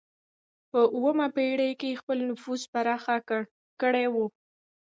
په اوومه پېړۍ کې یې خپل نفوذ پراخ کړی و.